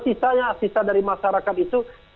sisanya sisa dari masyarakat itu